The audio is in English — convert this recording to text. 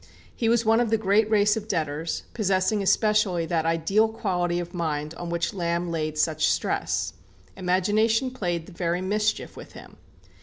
He was of the great race of debtors, possessing especially that ideal quality of mind on which Lamb laid such stress. Imagination played the very mischief with him.